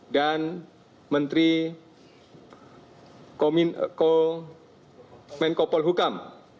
dan melo pokel tikam kopol hukum